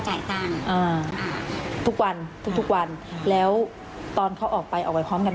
จ่ายกันอ่าวะวันปกติแล้วตอนเขาออกไปออกไปพร้อมกันไม่